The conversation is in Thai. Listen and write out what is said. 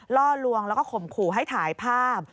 ล่อลวงแล้วก็ข่มขู่ให้ถ่ายภาพ